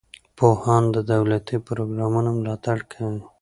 پوهان د دولتي پروګرامونو ملاتړ کوي.